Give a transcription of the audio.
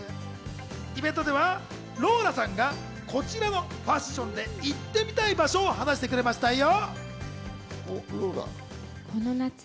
イベントではローラさんがこちらのファッションで行ってみたい場所を話してくれましたよ。